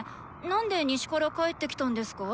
何で西から帰ってきたんですか？